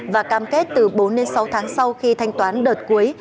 và cam kết từ bốn đến sáu tháng sau khi thanh toán đợt cuối